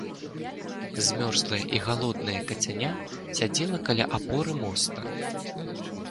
Змёрзлае і галоднае кацяня сядзела каля апоры моста.